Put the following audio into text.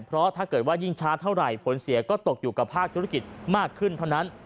เพราะถ้าเกิดว่ายิ่งช้าเท่าไหร่ผลเสียก็ตกอยู่กับภาคธุรกิจมากขึ้นเท่านั้น